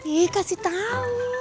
eh kasih tahu